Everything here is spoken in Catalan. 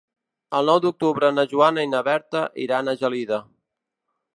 El nou d'octubre na Joana i na Berta iran a Gelida.